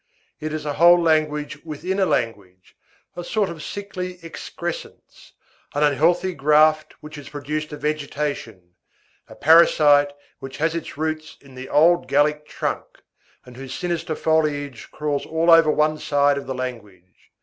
It is a whole language within a language, a sort of sickly excrescence, an unhealthy graft which has produced a vegetation, a parasite which has its roots in the old Gallic trunk, and whose sinister foliage crawls all over one side of the language.